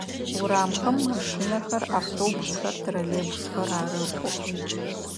Урамхэм машинэхэр, автобусхэр, троллейбусхэр арэкӏох.